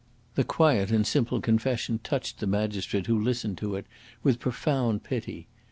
The quiet and simple confession touched the magistrate who listened to it with profound pity.